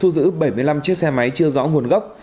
giữ bảy mươi năm xe máy chưa rõ nguồn gốc